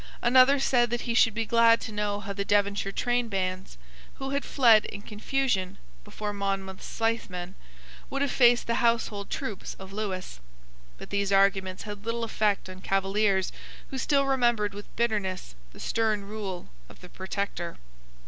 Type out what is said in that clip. Another said that he should be glad to know how the Devonshire trainbands, who had fled in confusion before Monmouth's scythemen, would have faced the household troops of Lewis. But these arguments had little effect on Cavaliers who still remembered with bitterness the stern rule of the Protector.